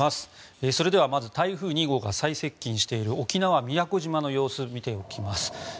それではまず台風２号が最接近している沖縄・宮古島の様子を見ておきます。